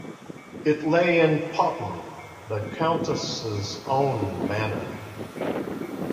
It lay in Potton, the Countess' own manor.